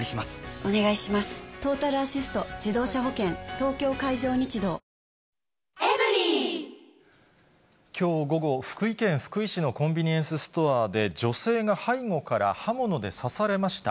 東京海上日動きょう午後、福井県福井市のコンビニエンスストアで、女性が背後から刃物で刺されました。